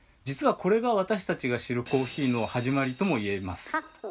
じつはこれが私たちが知るコーヒーの始まりとも言えます。